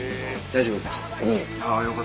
大丈夫ですか？